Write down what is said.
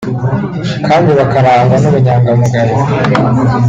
kandi bakarangwa n’ubunyangamugayo